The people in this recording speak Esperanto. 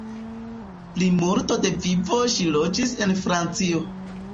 Plimulto de vivo ŝi loĝis en Francio.